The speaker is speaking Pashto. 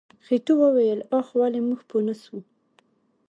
خېټور وويل اخ ولې موږ پوه نه شو.